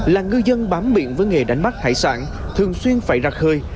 là ngư dân bám miệng với nghề đánh bắt hải sản thường xuyên phải rạc hơi